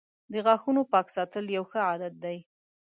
• د غاښونو پاک ساتل یوه ښه عادت دی.